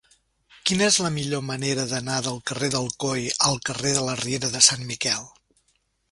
Quina és la millor manera d'anar del carrer d'Alcoi al carrer de la Riera de Sant Miquel?